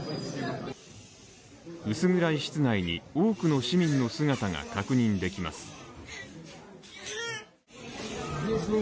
薄暗い室内に、多くの市民の姿が確認できます。